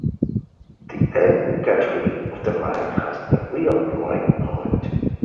The N gathering of the right has the real right point.